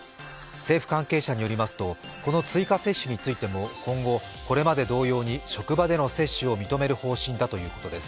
政府関係者によりますとこの追加接種についても今後、これまで同様に職場での接種を認める方針だということです。